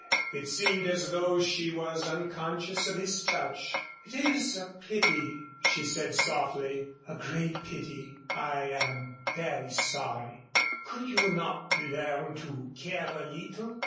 It seemed as though she was unconscious of his touch. "It is a pity," she said, softly, "a great pity. I am very sorry." "Could you not learn to care a little?"